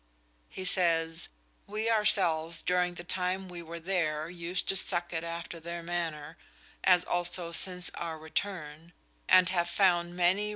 He says: "We ourselves during the time we were there used to suck it after their maner, as also since our returne, and have found maine [?